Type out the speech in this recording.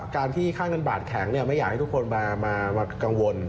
การที่ค่าเงินบาทแข็งไม่อยากให้ทุกคนมากังวล